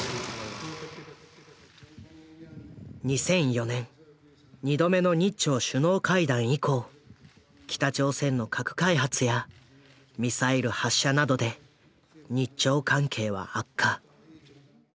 ２００４年２度目の日朝首脳会談以降北朝鮮の核開発やミサイル発射などで日朝関係は悪化。